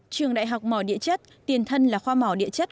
trường đại học mỏ địa chất tiền thân là khoa mỏ địa chất